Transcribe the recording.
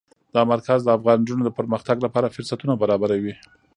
دا مرکز د افغان نجونو د پرمختګ لپاره فرصتونه برابروي.